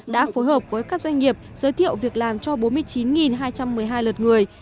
đã phối hợp với các doanh nghiệp giới thiệu việc làm cho bốn mươi chín hai trăm một mươi hai lượt người